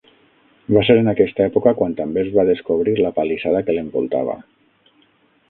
Va ser en aquesta època quan també es va descobrir la palissada que l'envoltava.